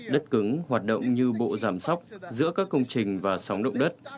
đất cứng hoạt động như bộ giảm sóc giữa các công trình và sóng động đất